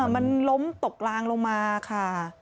มันล้มตกกลางลงมาค่ะ